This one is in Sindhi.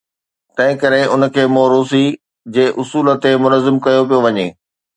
تنهنڪري انهن کي موروثي جي اصول تي منظم ڪيو پيو وڃي.